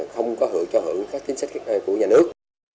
không có hưởng cho hưởng các chính sách của nhà nước